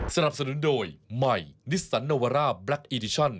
สนับสนุนโดยใหม่นิสสันโนวาร่าแบล็คอีดิชั่น